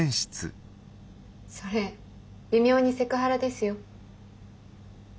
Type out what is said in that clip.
それ微妙にセクハラですよ。